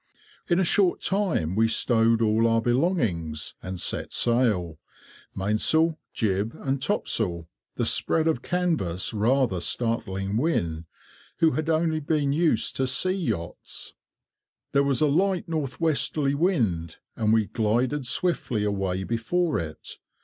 In a short time we stowed all our belongings, and set sail—mainsail, jib, and topsail—the spread of canvas rather startling Wynne, who had only been used to sea yachts. There was a light north westerly wind, and we glided swiftly away before it.